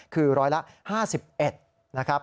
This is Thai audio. คือร้อยละ๕๑นะครับ